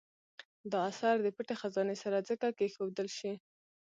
دا اثر د پټې خزانې سره ځکه کېښودل شي.